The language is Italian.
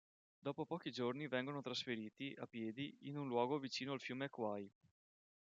Dopo pochi giorni vengono trasferiti, a piedi, in un luogo vicino al fiume Kwai.